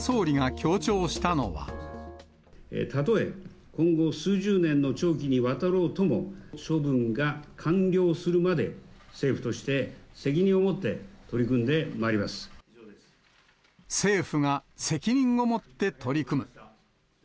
たとえ、今後数十年の長期にわたろうとも、処分が完了するまで、政府として、責任を持って取政府が責任を持って取り組む。